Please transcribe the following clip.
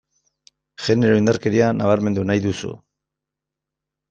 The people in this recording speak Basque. Genero indarkeria nabarmendu nahi duzu.